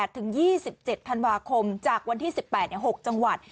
ถึง๒๗ธันวาคมจากวันที่๑๘๖จังหวัด